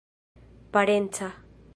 parenca